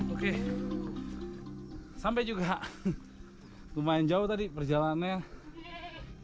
oke sampai juga lumayan jauh tadi perjalanannya